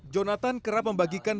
jonathan kerap membagikan